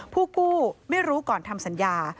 ผู้กู้ไม่รู้ก่อนทำสัญญา